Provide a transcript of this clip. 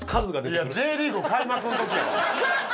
いやＪリーグ開幕の時やろ。